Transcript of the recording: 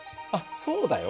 そうだよ。